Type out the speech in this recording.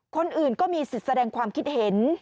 คนอื่นก็มีสิทธิ์แสดงความคิดเห็น